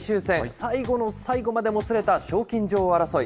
最後の最後までもつれた賞金女王争い。